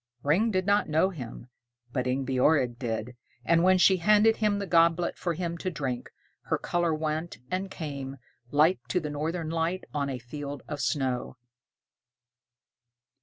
Ring did not know him, but Ingebjorg did; and when she handed the goblet for him to drink, her color went and came "like to the northern light on a field of snow."